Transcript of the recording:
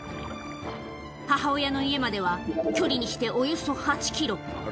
母親の家までは、距離にしておよそ８キロ。